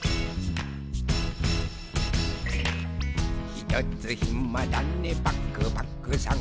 「ひとつひまだねパクパクさん」